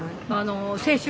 青春？